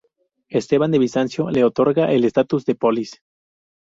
Esteban de Bizancio le otorga el estatus de polis.